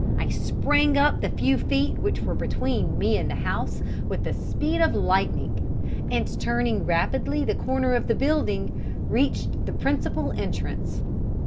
I sprang up the few feet which were between me and the house with the speed of lightning, and turning rapidly the corner of the building, reached the principal entrance.